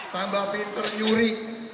tambah pinter nyuri